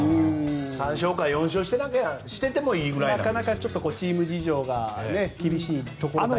３勝か４勝しててもなかなかチーム事情が厳しいところだけに。